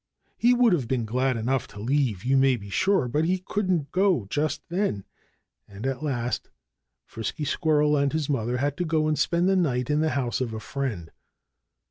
He would have been glad enough to leave, you may be sure. But he couldn't go just then. And at last Frisky Squirrel and his mother had to go and spend the night in the house of a friend.